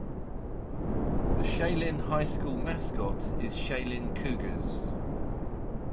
The Cheylin High School mascot is Cheylin Cougars.